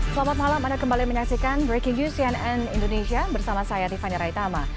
selamat malam anda kembali menyaksikan breaking news cnn indonesia bersama saya tiffany raitama